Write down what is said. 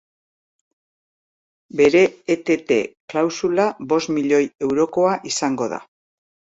Bere etete klausula bost milioi eurokoa izango da.